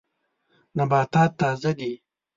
نباتات تازه دي.